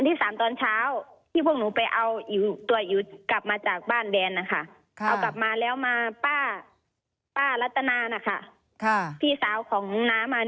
วันที่๓ตอนเช้าที่พวกหนูไปเอาตัวอิ๋วกลับมาจากบ้านแดนนะคะ